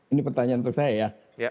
ini pertanyaan untuk saya ya